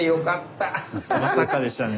まさかでしたね。